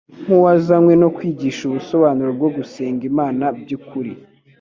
Nk'uwazanywe no kwigisha ubusobanuro bwo gusenga Imana by'ukuri,